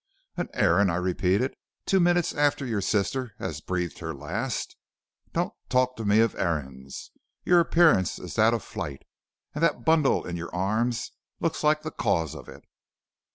"'An errand,' I repeated, 'two minutes after your sister has breathed her last! Don't talk to me of errands. Your appearance is that of flight, and that bundle in your arms looks like the cause of it.'